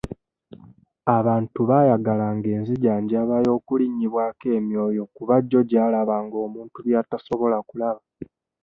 Abantu baayagalanga enzijanjaba y'okulinnyibwako emyoyo kuba gyo gyalabanga omuntu by'atasobola kulaba.